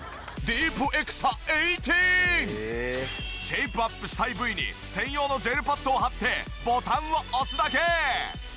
シェイプアップしたい部位に専用のジェルパッドを貼ってボタンを押すだけ！